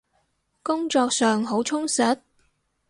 工作上好充實？